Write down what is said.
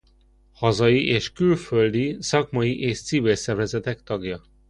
Hazai és külföldi szakmai és civil szervezetek tagja.